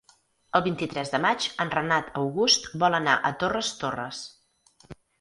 El vint-i-tres de maig en Renat August vol anar a Torres Torres.